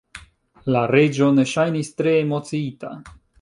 La Reĝo ne ŝajnis tre emociita.